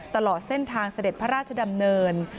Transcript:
ตลอดเส้นทางเสด็จพระราชดำเนิน